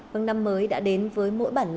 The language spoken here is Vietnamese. vâng năm mới đã đến với mỗi bản lao lý